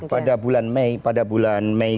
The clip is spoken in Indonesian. pada bulan mei pada bulan mei